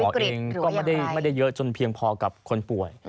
เองก็ไม่ได้เยอะจนเพียงพอกับคนป่วย